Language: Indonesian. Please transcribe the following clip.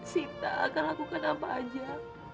sita akan lakukan apa aja